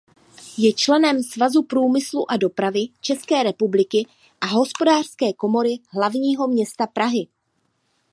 Je členem Svazu průmyslu a dopravy České republiky a Hospodářské komory Hlavního města Prahy.